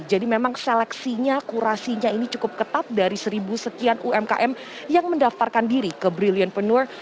jadi memang seleksinya kurasinya ini cukup ketat dari seribu sekian umkm yang mendaftarkan diri ke brilliant pranner